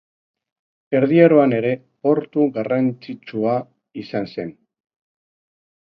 Erdi Aroan ere portu garrantzitsua izan zen.